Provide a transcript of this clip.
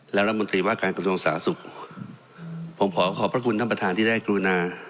และรัฐมนตรีว่าการกระทรวงสาธารณสุขผมขอขอบพระคุณท่านประธานที่ได้กรุณา